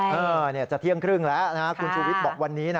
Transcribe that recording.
เป็นวันที่จะเที่ยงครึ่งแล้วคุณชูวิทย์บอกวันนี้นะ